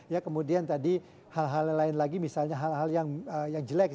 ya kemudian tadi hal hal lain lagi misalnya hal hal yang jelek